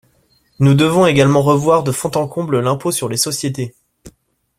Nous devons également revoir de fond en comble l’impôt sur les sociétés.